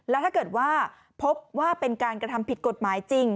แล้วถ้าเกิดว่าพบว่าเป็นการกระทำผิดกฎหมายจริง